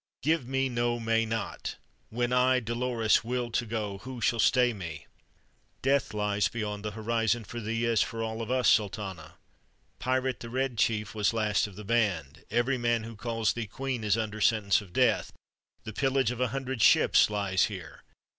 Give me no may not! When I, Dolores, will to go, who shall stay me?" "Death lies beyond the horizon for thee as for all of us, Sultana. Pirate the Red Chief was last of the band; every man who calls thee queen is under sentence of death; the pillage of a hundred ships lies here.